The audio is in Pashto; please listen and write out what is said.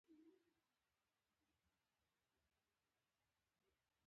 د غیر مسلمانانو په څېر یې غلامان کوي.